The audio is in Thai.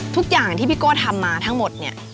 ทุกอย่างที่พี่โก้ทำมาทั้งหมดเนี่ย